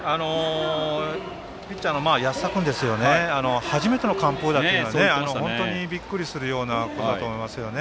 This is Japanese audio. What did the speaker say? ピッチャーの安田君が初めての完封だったので本当にびっくりするようなことだと思いますね。